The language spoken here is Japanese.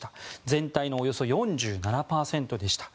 全体のおよそ４７％でした。